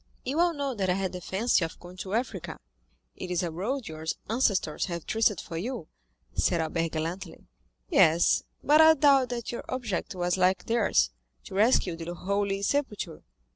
"You all know that I had the fancy of going to Africa." "It is a road your ancestors have traced for you," said Albert gallantly. "Yes? but I doubt that your object was like theirs—to rescue the Holy Sepulchre."